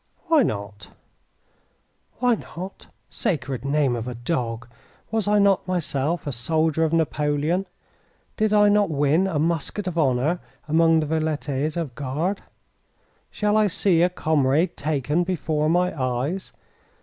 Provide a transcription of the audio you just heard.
"Why not?" "Why not? Sacred name of a dog, was I not myself a soldier of Napoleon? Did I not win a musket of honour among the Velites of the Guard? Shall I see a comrade taken before my eyes?